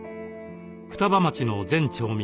双葉町の全町民